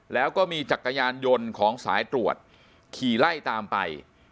แล้วก็มีจักรยานยนต์ของสายตรวจขี่ไล่ตามไป